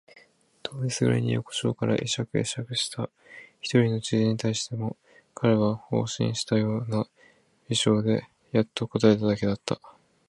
通りすがりに横町から会釈えしゃくした一人の知人に対しても彼は放心したような微笑でやっと答えただけだった。